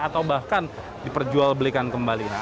atau bahkan diperjual belikan kembali